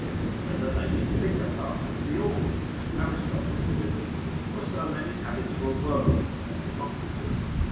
Whether they be thicker parts of the orbs, as Aristotle delivers: or so many habitable worlds, as Democritus?